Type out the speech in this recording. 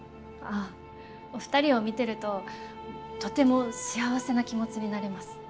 お二人を見てるととても幸せな気持ちになれます。